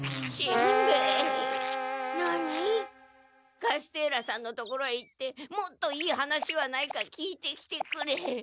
カステーラさんの所へ行ってもっといい話はないか聞いてきてくれ。